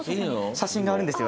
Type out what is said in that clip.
写真があるんですよ。